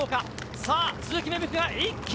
さぁ鈴木芽吹が一気に！